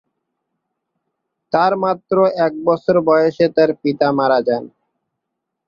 তার মাত্র এক বছর বয়সে তার পিতা মারা যান।